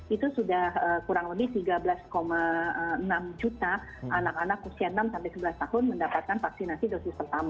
itu sudah kurang lebih dua puluh enam empat juta nah untuk anak anak sendiri dengan target dua puluh enam empat juta sejak kita mulai vaksinasi pada anak pada tanggal empat belas desember yang lalu